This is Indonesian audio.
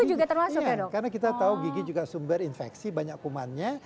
iya karena kita tahu gigi juga sumber infeksi banyak kumannya